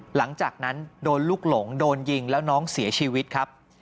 หลังจากนั้นโดนลูกหลงโดนยิงแล้วน้องเสียชีวิตครับ